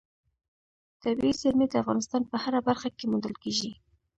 طبیعي زیرمې د افغانستان په هره برخه کې موندل کېږي.